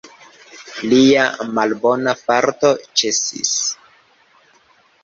Lia malbona farto ĉesis.